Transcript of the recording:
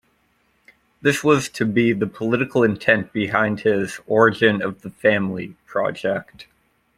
This was to be the political intent behind his "Origin of the Family" project.